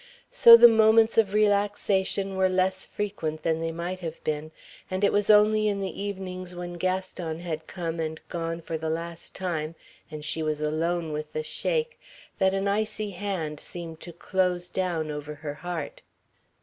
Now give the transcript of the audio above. So the moments of relaxation were less frequent than they might have been, and it was only in the evenings when Gaston had come and gone for the last time and she was alone with the Sheik that an icy hand seemed to close down over her heart.